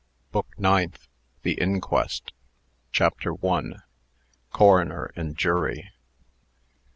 BOOK NINTH. THE INQUEST. CHAPTER I. Coroner and Jury.